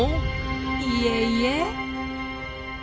いえいえ。